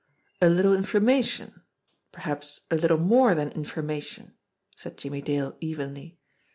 "A little information perhaps a little more than informa tion," said Jimmie Dale evenly.